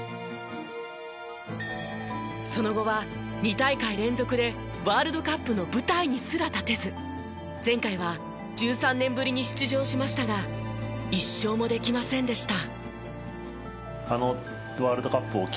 その後は２大会連続でワールドカップの舞台にすら立てず前回は１３年ぶりに出場しましたが１勝もできませんでした。